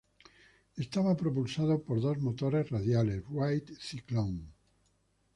Estaba propulsado por dos motores radiales Wright Cyclone.